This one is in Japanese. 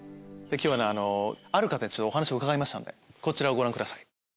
今日はある方にお話伺いましたこちらをご覧ください。